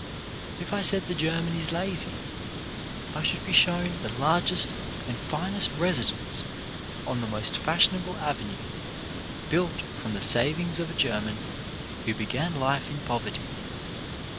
If I said the German is lazy, I should be shown the largest and finest residence on the most fashion able avenue, built from the savings of a German who began life in poverty.